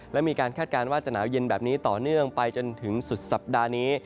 และมีการคาดการณ์ว่าจะหนาวเย็นแบบนี้ต่อเนื่องไปจนถึงสุดสัปดาห์นี้